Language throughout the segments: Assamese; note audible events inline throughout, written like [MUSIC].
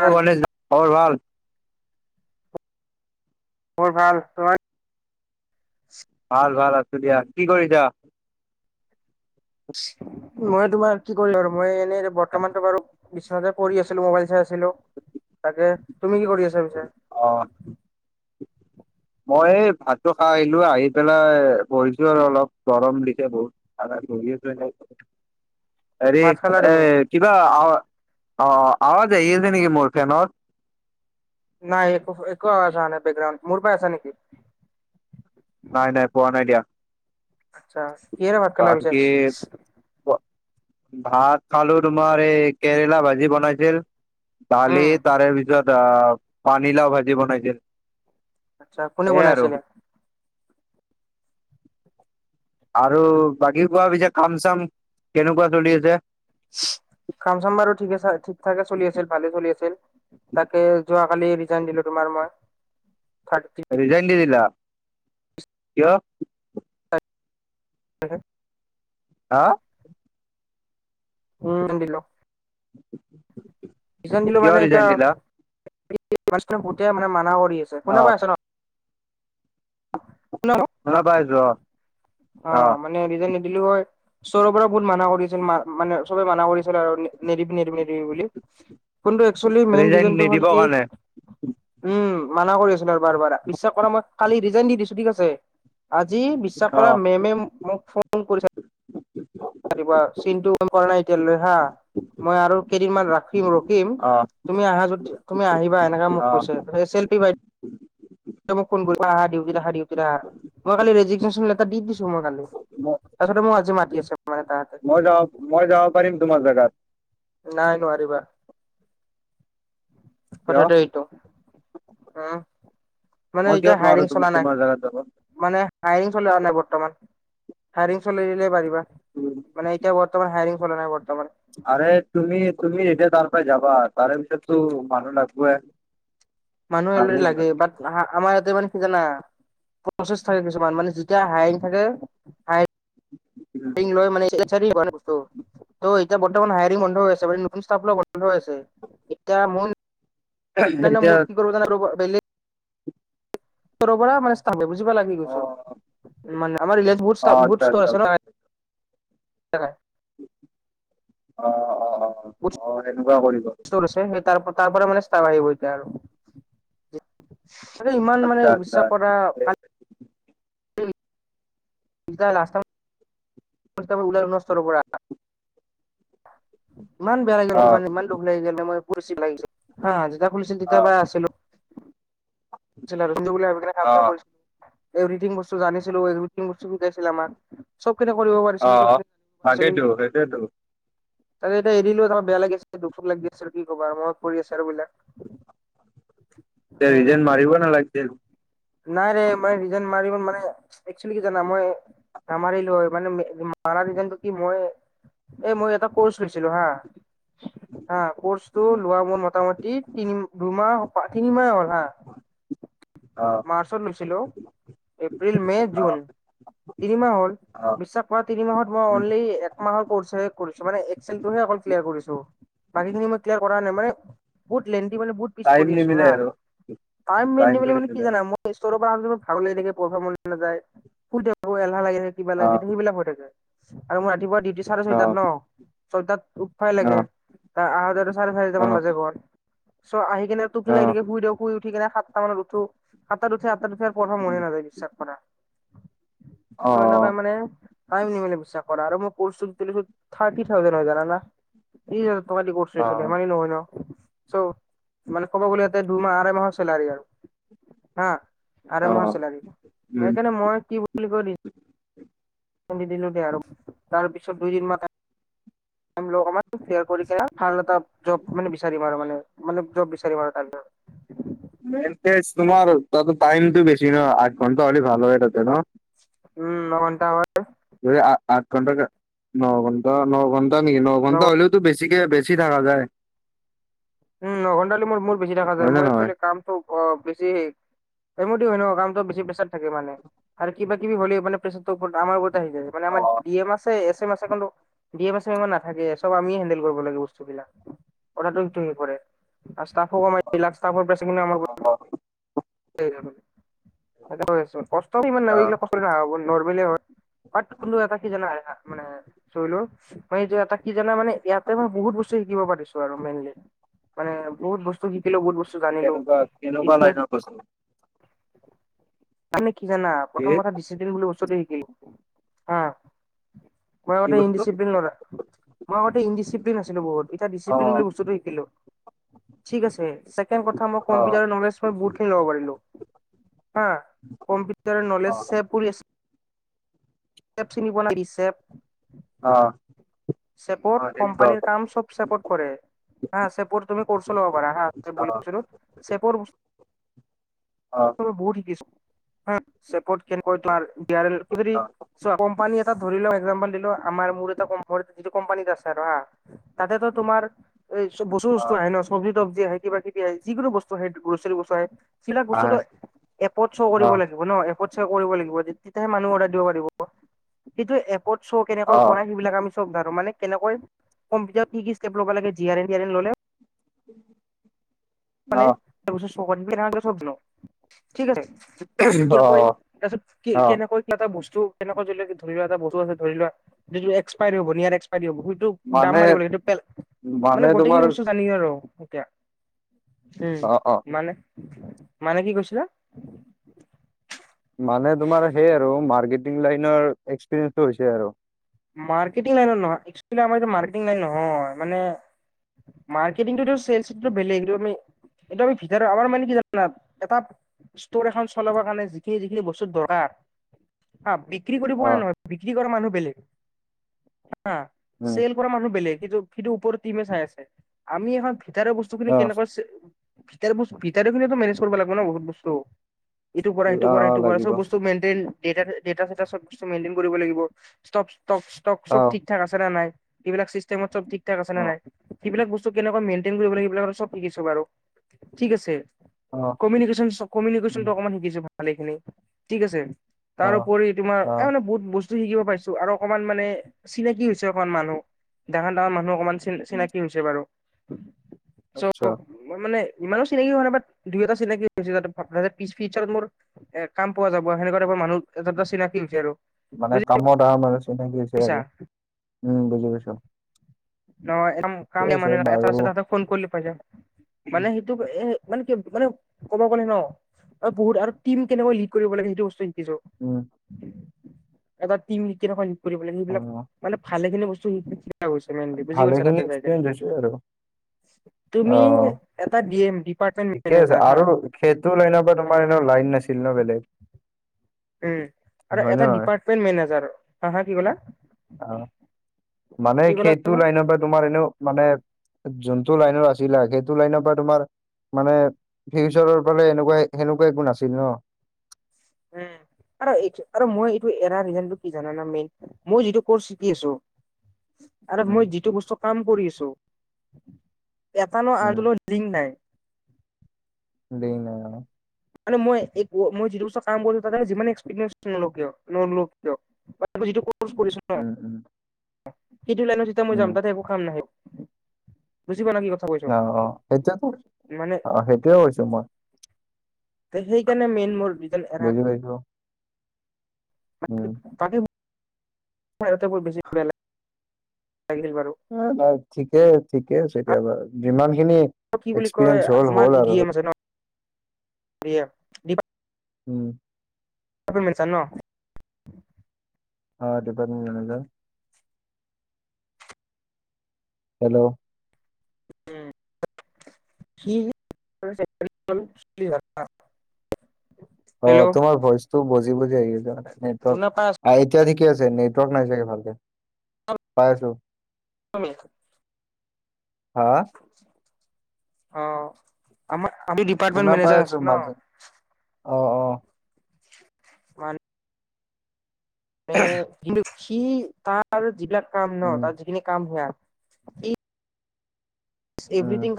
ভাল গণেশ খবৰ ভাল বোৰ ভাল তোমাৰ ভাল ভাল আছো দিয়া কি কৰিছা মই তোমাৰ কি কৰিলো আৰু মই এনেই বৰ্তমানতো বাৰু তে কৰি আছিলো মবাইল চাই আছিলো তাকে তুমি কি কৰি আছা অ পিছে মই এই ভাতটো খাই আহিলো আহি পেলাই বহিছো আৰু অলপ গৰম দিছে বহুত এ কিবা হেৰি ভাত খালা তুমি কিবা অ অ আৱাজ আহি আছে নেকি মোৰ ফেনৰ নাই একো একো আ নাই বেকগ্ৰাউণ্ড মোৰ পৰা আছা নেকি নাই নাই পোৱা নাই দিয়া আচ্ছা কি এৰে ভাত খালা পিছে বাকী ভাত খালো তোমাৰ এই কেৰেলা ভাজি বনাইছিল দালি উম তাৰে পিছত আহ পানীলাও ভাজি বনাইছিল আচ্ছা কোনে সেইয়াই আৰু বনাইছিলে আৰু বাকী কোৱা পিছে কাম চাম কেনেকোৱা চলি আছে খামচাম্বাৰো ঠিকঠাকে চলি আছিল ভালে চলি আছিল তাকে যোৱাকালি ৰিজাৰ্ণ দিলো তোমাৰ মই থাৰ্টি ৰিজান দিদিলা কিয়। [UNINTELLIGIBLE] হা উম কন্দিলো ইজন দিলো কিয় মানে ৰিজাইন এতিয়া দিলা মান গোতে মানে মানা কৰি আছে অ শুনা পাই আছ ন। শুনা পাইছোৱা। অ মানে। বুলি কয় চৰৰ পৰা বহুত মানা কৰিছিল ম মানে চবে মানা কৰিছিল আৰু নেদিবি নেদিবি নেদিবি বুলি। কোনটো একচুৱেলি মেইন ৰিজাইন ৰিজনটো হ'ল নিদিবৰ কি কাৰণে উম। মানা কৰি আছিলো আৰু বাৰ বাৰ বিশ্বাস কৰা মই কালি ৰিজাইন দি দিছো ঠিক আছে আজি বিশ্বাস। ত অ পৰা মেমে মোক ফোন কৰিছে চিনটো। ম কৰা নাই এতিয়ালৈ হা মই আৰু কেইদিন মমান ৰাখিম ৰখিম অ তুমি আহা যদি। তুমি আহিবা এনেকাে মোক অ কৈছে বাই। তেতিয়া মোক ফোন কৰি দিউটি অহা দিউটি অহা। মই কালি ৰেজিগনেশ্যন লেটাৰ দি দিছো মই কালি তাৰপাছতে মোক আজি মাতি আছে। মানে তাহাঁতে মই যাব মই যাব পাৰিম তোমাৰ জোগাত। নাই নোৱাৰিবা। কিয় পঠতে টো আহ। মানে মই কিয় এতিয়া নোৱাৰো হায়ৰিং তুমি চলা নাই তোমাৰ জেগাত যাব মানে হাইৰিং চল অ নাই বৰ্তমান। হাইাৰং চলিলে পাৰিবা মানে এতিয়া বৰ্তমান হাইং চল নাই বৰ্তমান। আৰে তুমি তুমি এতিয়া তাৰ পৰা যাবা তাৰে পিছততো মানুহ লাগবে। মানুহে অলৰে লাগে বাট আমাৰ ইয়াতে মানে কি জানা প্ৰচেছ থাকে কিছুমান মানে। তিয়া হাইৰিং থাকে হাইৰিং। মান চ [UNINTELLIGIBLE] ত' এতিয়া বৰ্তমান হায়াৰৰিং বন্ধ হৈ আছে ম নতুন ষ্টফ বন্ধ হৈ আছে এতিয়া মোৰ। ম এতিয়া মুক্তি কৰ ৰ বেলে। সৰবৰা মানে। ালাগি অ গৈছ মানে আমাৰ বু অ আচ্ছা ষ্টৰ আচ্ছা আছে ন। চাক। অ অ অ অ সেনেকুৱাও কৰিছো। চছেই ত তাৰপ পৰা মানে চ আহ ত আৰু। মানে ইমান আচ্ছা মানে আচ্ছা বিশ্বাস কৰা কালি। ত ৰাস্তা। ওল নষ্ট পৰা ইমান বেয়া লাগিল অ মান ইমান দুখ লাগি গ মই প লাগিছিল হা যেতিয়া খুলিছিল অ তেতিয়া বেয়া আছিল। অ কামছিল। এভৰিটিং বস্তু জানিছিলো এৰিটিং বস্তু শিকাইছিল আমাৰ চব। চবকতে কৰিব পিছিলো অ চব জিবছিল। তাকেইতো সেইটোয়েতো তাকতে এতি এৰিো তলমান বেয়া লাগিছে দুখ লাগিছে কি কব মনত পৰি আছে আৰু বিলাক। ত জন মাৰিব না লাগিছে। নাই ৰৰে মে ৰিজাইন মাৰ ম মানে। একচলি কি জানা মই নামাৰিলো হয় মানে মাৰা যেটো কি মই। [UNINTELLIGIBLE] এ মই এটা কৰ্চ লৈছিলো হা। [UNINTELLIGIBLE] কৰ্চটো লোৱা মোৰ মোটামুটি তিনি দুমাহ। তিনি মাহ হল হা। [UNINTELLIGIBLE] অ মাৰ্চৰ লৈছিলোঁ এপ্ৰিল মে জুন। [UNINTELLIGIBLE] তিনিমাহ হল অ বিশ্বাস কৰা তিনিমাহত মই অ অনলি এক মাহৰ। কৰিছো মানে একচেল টোহে কৰিছো অকল ক্লিয়াৰ কৰিছো বাকী খিনি মই ক্লিয়াৰ কৰা নাই মানে। [UNINTELLIGIBLE] বহুত লেণ্টি মানে বহুত পিছ পৰি আছো হা টাইম মে নিবেল মানে কি জানা মই। [UNINTELLIGIBLE] ৰৰ পৰা আনাক ভাল লাগ থাকে প নাযায় শুই থাকো এলাহ লাগি থাক কিবা লাগি থ সেইবিলাক হৈ থাকে। [UNINTELLIGIBLE] আৰু মোৰ ৰাতিপুৱা ডিউটি চাৰে ছয়টাত ন ছয়টাত উফাই লাগে ত আহতে। [UNINTELLIGIBLE] চাৰে চাৰিট মান বাজে ঘৰত। ত আহি কিনে টোকি লাগি থে শুই দিয় শুই উঠি কেনে সাতটা মানত উঠো। আতাৰ উঠে আাতটা উঠে আৰ পঢ়া মনে নযায় বিশ্বাস কৰা। [UNINTELLIGIBLE] তাৰপিছত এনেকুৱা মানে নিমিলে বিশ্বাস কৰা আৰু মই থাৰটি হৈ তমতি কৰিছিল মাৰি নহয় ন [UNINTELLIGIBLE] চ' মানে ক'ব গ'লেতে দুমাহ আঢ় মাহৰ চেলাৰী আৰু হা আ মাহৰ চেলাৰী সেইকাৰণে মই কি বুলি কৈ দি দিলো নে আৰ তাৰ পিছত দুইদিন মাত ম ভাল এটা জ মানে বিচাৰিম আৰু মানে মানে জব বিচাৰিম আৰু তাৰপিছত [UNINTELLIGIBLE] উ তোমাৰ তাত টাইমতটো বেছি ন আঠ ঘন্টা হ'লে ভাল হয় তাতে ন [UNINTELLIGIBLE] উম মন্তাৱাৰ [UNINTELLIGIBLE] যদি আঠ ঘণ্টা ন ঘটা ন ঘণ্টা নেকি ন ঘণ্টা হ'লেওতো বেছি বেছি থাকা যায় উম ঘন্টালি মোৰ মূোৰ বেছি দেখা যায় হয় নে মোৰ একচোৱ নহয়? কামটো অ বেছি [UNINTELLIGIBLE] সম হয় ন কাম বেছি প্ৰেছাৰ থাকে মানে আৰু কিবা কিবি হ'লে ম প্ৰেচাৰটো ওপৰত আমাৰ ওপৰত [UNINTELLIGIBLE] যছে মানে অ আমাৰ ডি এম আছে এছ [UNINTELLIGIBLE] ইমান নাথাকে চব আমিয়ে হেডেল কৰিব লাগে বস্তুবিলাক কথাটো ষ্টাফ কমাৰ অ অ, [UNINTELLIGIBLE] [UNINTELLIGIBLE] কষ্টমান ন আচ্ছা এইবিলাক ক নব নৰ্ম হয় অ কোনু এটা কি জানা মানে চলো [UNINTELLIGIBLE] মই এই এটা কি জানা মানে ইয়াতে মই বহুত বস্তু শিকিব পাৰিছো আৰু মেইনলি মানে বহুত বস্তু জিকিলো বহুত বস্তু জানিলো কেনেকুৱা এই কেনেকুৱা [UNINTELLIGIBLE] লাইনৰ বস্তু তমি কি জানা কি প্ৰথম কথা [UNINTELLIGIBLE] বুলি বস্তুতে কি মই বস্তু ইডিচিপ্লিন মই ইডিপ্ল [UNINTELLIGIBLE] আছিলো বহুত এতিয়া অ ডিচিপ্লিন বুলি বস্তুতটো শিকিলো ঠিক আছে চেকেণ্ কথা মই অ কম্পউটাৰৰ নলেজ বহুত খিনি লব পাৰিলো [UNINTELLIGIBLE] হা কম্পিউটাৰ অ নলেজ চ প আ [UNINTELLIGIBLE] প চিনিব নাইচেপ [UNINTELLIGIBLE] অ চেপত অ তেনেকুৱা কোম্পানীৰ কাম চব চেপত কৰে হা চেপোৰ তুমি কৰছ লব পাৰা হা অ চেপোৰ [UNINTELLIGIBLE] অ অ অ অ বহুত হিকিছো [UNINTELLIGIBLE] হেৰী চোৱা কোম্পানী [UNINTELLIGIBLE] এ ধৰি ল এক্জাম্পল দিলো আমাৰ মোৰ এটা ক যিটো কোম্পানীত আছে আৰু হা তাতেতো তোমাৰ [UNINTELLIGIBLE] এই চব বস্তু বস্তু আহে ন চব্জী তব্জি আহে কিবা কিবি আহ যিকোনো বস্তু আহ গ্ৰচাৰী বস্তু আহে [UNINTELLIGIBLE] যিবিলাক বস্তুতটো এপত শ্ব' কৰিব লাগিব ন [UNINTELLIGIBLE] লাগিব। তেতিয়াহে মানুহে অৰ্ডাৰ কৰিব পাৰিব। কিন্তু এপত চো অ কেনেকে কৰিব [UNINTELLIGIBLE] ব ধ আৰু মানে কেনেকৈ কম্পিউটাৰত কি কি ষ্টেপ লব লাগে জ ললে [UNINTELLIGIBLE] উম মানে তাৰপিছত ঠিক আছে কেনেকৈ অ', তাৰপিছত অ', কেনেকৈ কা এটা বস্তু কেনেকোৱা ধ লোৱা এটা বতুছে ধৰি লোৱা যিটো এক্সপাৰ হব এক সেইটো মানে দাম মাৰিব লাগে সেইটো মানে গোটেইখিনি বস্তু জানি আৰু এতিয়া উম অ', অ'। মানে মানে কি কৈছিলা মানে তোমাৰ সেই আৰু মাৰ্কেটিং লাইনৰ এক্সপিৰিয়েন্ঞ্চটো হৈছে আৰু মাৰ্কেটিং লাইনত নহয় একচেল আমাৰ এইটো মাৰ্কেটিং লাইন নহয় মানে মাৰ্কেটিংটো চেল বেলেগমি এইটো আমি ভিতৰত আমাৰ মানে কি জানা এটা ষ্টৰ এখন চলাবৰ কাৰণে যিখিনি যিখিনি বস্তু দৰকাৰ হা বিক্ৰী কৰিব পোৱা নাই অ', নহয় বিক্ৰী কৰা মানুহ বেলেগ হা উম। চেল কৰা মানুহ বেলেগ কিন্তু সিটো পৰত টিমে চাই আছে আ এখন ভিতাৰৰ বস্তু খিনি অ', কেনেকুৱা আছে ভিতাৰ খিনি‌ মেনেজ কৰিব লাগিব ন বহুত বস্তু। ইটো কৰা, সেইটো কৰা, অ', সেইটো কৰা, লাগিব চব অ', বস্তু মেইনটেইন ড ড চব মেইনটেইন কৰিব লাগিব ষ্ট ষ্টক, চব অ', ঠিক, ঠাক আছে নে নাই। এইবিলাক চিষ্টেমত চব ঠিক ঠাক আছে নে অ', নাই। সেইবিলাক বস্তু কেনেকে মেইনটেইন কৰিব লাগিব সেইবিলাক আৰু চব কি আছে বাৰু ঠিক আছে। উম, কমিউনিকেশনটো অকমান শিকিছো ভালখিনি ঠিক আছে। অ', তাৰোপৰি তোমাৰ এ অ'। মানে বহুত বস্তু শিকিব পাইছো আৰু। অকণমান মানে চিনাকি হৈছে অকমান মানুহ ডাঙৰ, ডাঙৰ মানুহ অকমান চ উম, চিনাকি হৈছে বাৰু। চব আচ্ছা মানে ইমানো চিনাকি হোৱা নাই বাট দুই এটা চিনাকি হৈছে ফিৰত মোৰ এ কাম পোৱা যাব সে মানুহ এটা, এটা চিনাকি হৈছে আৰু মানে বুজি কামত মানে চিনাকিছে পাইছা আৰু উম বুজি পাইছো। ন এ ঠিকে কাম আছে মান এ বাৰু আ ফোন কৰিবল পাইে মানে হেইটো হে মানে কি মানে ক'ব গ'লে ন বহুত আৰু টিম কেনেকৈ লিড কৰিব লাগে সেইটো বস্তু। উম, এটা টিম কেনে কৰিব লাগে সেইবিলাক অ', মানে ভালে খিনি বস্তু ছে ভালেখিনি এক্সেঞ্জ আছে আৰু অ তুমি এটা ডি এম ডিপাৰ্টমেন্ট ঠিকে আছে মেনেজাৰ হা আৰু সেইটো লাইনৰ পৰা তোমাৰ এনে লাইন নাছিল। চিল ন বেলেগ উম আৰু হয় নে এটা নহয়? ডিপাৰ্টমেট মেনেজাৰ হা, হা কি ক'লা? অ'। মানে কি ক'লা সেইটো তুমি লাইনত বা তোমাৰ এনেও মানে যোনটো লাইনৰ আছিলে সেইটো লাইনৰ পৰা তোমাৰ। মানে ফিউচাৰৰ ফালে এনেকুৱা সেনেকুৱা একো নাছিল ন। উম আৰু এই আৰু মই এইটো এৰা ৰিজনটো কি জান না মেইন মই যিটো কৰ্ শিকি আছো। আৰু উম মই যিটো বস্তু কাম কৰি আছো। এটানো আৰু নো লিংক নাই। দেই ন মই, মই য দৰ কাম কৰ ত যিমান এসপিৰি কিয়? ত যিটো ক কৰিছো ন। উম উম সেইটো লাইনতত মই যাম তাত উম একো কাম নাহিব। অ, অ সেইটোয়ো, মানে অ সেইটোয়ে কৰিছো মই ত সেইকাৰণে মেইন মোৰ জন এৰা- বুজি পাইছো উম তাকে। হয়টো বেছি বেয়া লাগিছিল বাৰু ঠিকে, ঠিকে আৰু এতিয়া যিমান কি বুলি কয় এক্সপিৰিয়েন্স হল হল আৰু। দিয়া [UNINTELLIGIBLE] উম! আাপোনি লৈছে ন'? অ'! Department manager. হেল্ল'? উম! সি, [UNINTELLIGIBLE] অ'! হেল্ল' তোমাৰ ভইচটো বজি, বজি আহি আছে মানে। শুনা পাই আছা [UNINTELLIGIBLE] ঠিক আছে। নেটৱৰ্ক নাই চাগে ভালকে। ন পাই আছোঁ। [UNINTELLIGIBLE] হা অ'! আমাৰ আমি শুনা ডিপাৰ্টমেণ্ট পাই মেনেজাৰ আছো আছোঁ মাজে অ অ ন'। ম কিন্তু সি, তাৰ যিবিলাক কাম ন'! উম তাৰ যিখিনি কাম হয় আ এই উম এভ্ৰিথিং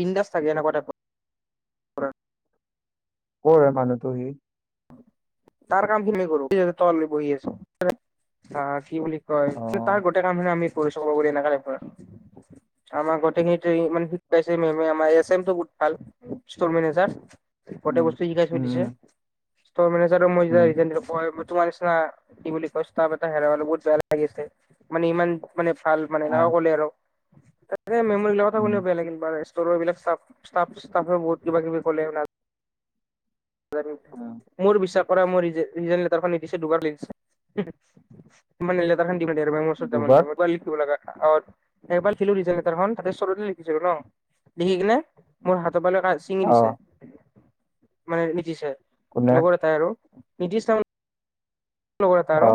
বিন্দাছ থাকে, এনেকুৱা টাইপৰ। ক'ৰ এ মানুহটো সি? তাৰ কাম [UNINTELLIGIBLE] হয়। অ কিন্তু তাৰ গোটেই কামখিনি আমি কৰিছোঁ বুলি এনেকুৱা দেখুৱাই। আমাৰ গোটেইখিনিতো [UNINTELLIGIBLE] গটেই উম বস্তু সি খাই থৈ উম দিছে। উম ষ্টৰ মেনেজাৰো উম তোমাৰ নিচিনা, কি বুলি কয়! স্টাফ এটা হেৰুৱাটো বহুত বেয়া লাগিছে। মানে ইমান মানে, ভাল মানে, আহ [UNINTELLIGIBLE] ক'লে আৰু। এই [UNINTELLIGIBLE] উম ওচৰৰ এইবিলাক ষ্টাফ, ষ্টাফেও বহুত কিবা কিবি ক'লে আৰু [UNINTELLIGIBLE] উম মোৰ বি [UNINTELLIGIBLE] পৰা মোৰ ৰিজেইন লেটাৰ দিছে [UNINTELLIGIBLE] দুবাৰ [UNINTELLIGIBLE] [UNINTELLIGIBLE] [UNINTELLIGIBLE] চিঙি অ দিছে। মানে, নিতিশে, কোনে লগৰ এটাই আৰু নিতিশ তাৰমানে লগৰ এটা অ আৰু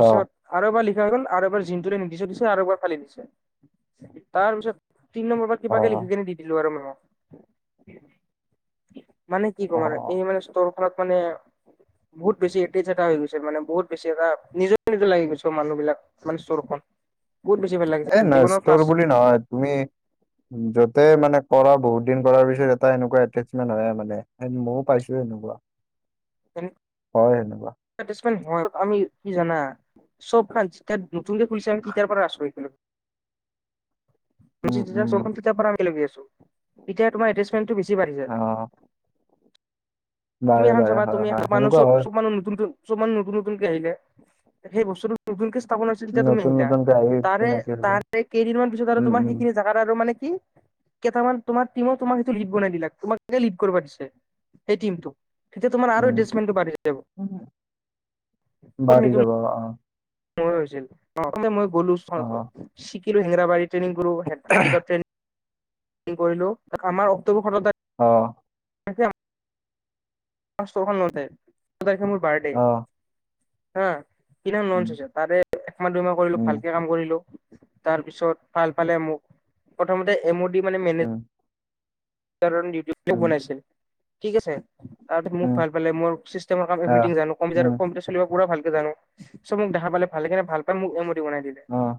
অ আৰু এবাৰ লি হৈ গ'ল আৰু এবাৰ জিনটোৰে নিতিশক দিছে আৰু এবাৰ ফালি দিছে। তাৰ পিছত তিন নম্বৰ পৰা অ কিবাকে লিখিকিনে দি দিলোঁ আৰু মেমক। মানে, কি অ ক'ম আৰু এই মানে, স্তৰখনত মানে, বহুত বেছি এটেইচ এটা হৈ গৈছে মানে, বহুত বেছি এটা নিজৰ, নিজৰ লাগি গৈছে মানুহবিলাক। মানে, ষ্টৰখন। বহুত বেছি ভাল লাগিছে এই নাই। জীৱনৰ ষ্টৰ বুলি ফাৰ্ষ্ট নহয়, তুমি য তাতে মানে, কৰা বহুত দিন কৰাৰ পিছত এটা এনেকুৱা এটেচমেণ্ট হয়। মানে, মইয়ো পাইছোঁ এনেকুৱা। আমি, কি জানা? [UNINTELLIGIBLE] নতুক খুলিছে, তেতিয়াৰ পৰা আছোঁ এইপিনে। [UNINTELLIGIBLE] উম তেতিয়া উম তোমাৰ এটেচমেণ্ট বেছি বাঢ়ি যায়। অ তুমি বাৰে এখন বাৰে চাবা, হয় তুমি এ' হয় মানুহ সেনেকুৱা হয় চব মানুহ নতুন। চব মানুহ নতুন, নতুনকে আহিলে। সেই বস্তুটো নতুনকে স্থাপন হৈছিল, তেতিয়া তুমি নতুন আহিলা। নতুনকে আহি তাৰে, চিনাকি হৈ যাম তাৰে, কেইদিনমান পিছত আৰু উম তোমাৰ উম সেইখিনি জোগাৰ আৰু মানে, কি! কেইটামান তোমাৰ টিমো তোমাক সেইটো লীড বনাই দিলে। তোমাকহে লিড কৰিব দিছে। সেই টিমটো তেতিয়া তোমাৰ আৰু এটেচমেন্টটো বাঢ়ি যাব। উম বাঢ়ি যাব অ মোৰ হৈছিল। অ'! প্ৰথমে মই গ'লো [UNINTELLIGIBLE] ট্ৰেনিং কৰোঁ। [UNINTELLIGIBLE] কি কৰিলোঁ আমাৰ অক্টোবৰ [UNINTELLIGIBLE] অ'! আচছা মতে তে মোৰ বাৰ্থডে হা [UNINTELLIGIBLE] কিনা ল হৈছে তাৰে এমাহ দুইমাহ কৰিলো ভালকে কাম কৰিলো [UNINTELLIGIBLE] তাৰপিছত ভাল পালে মোক প্ৰথমতে এম অ ডি মানে মেনেজ ণি বনাইছে ঠিক আছে [UNINTELLIGIBLE] তাৰপিছ মোক ভাল পালে চিষ্টেমৰ কাম ইভ্ৰীথীং জানো কম্পিউটাৰ পুৰা ভাল [UNINTELLIGIBLE] জানো চব মোক দেখা পালে ভাল কিনে ভাল পাল মোক এমি বনাই দিলে [UNINTELLIGIBLE]